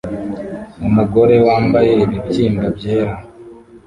Umugore wambaye ibibyimba byera